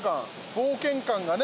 冒険感がね